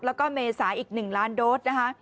แล้วก็เมษาอีก๑ล้านโดสนะคะ